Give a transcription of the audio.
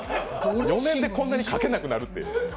４年でこんなにかけなくなるって。